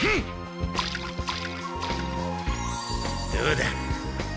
どうだ。